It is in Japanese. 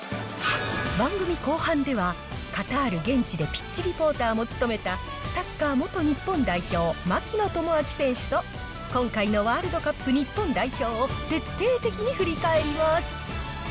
番組後半では、カタール現地でピッチリポーターも務めたサッカー元日本代表、槙野智章選手と今回のワールドカップ日本代表を徹底的に振り返ります。